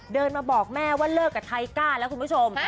เดินมาบอกแม่ว่าเลิกกับไทก้าแล้วคุณผู้ชม